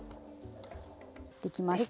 できました。